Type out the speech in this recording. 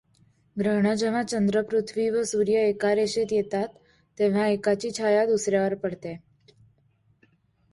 ग्रहणे जेव्हा चंद्र, पृथ्वी व सूर्य एका रेषेत येतात, तेव्हा एकाची छाया दुसऱ्यावर पडते.